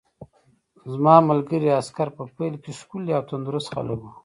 زما ملګري عسکر په پیل کې ښکلي او تندرست خلک وو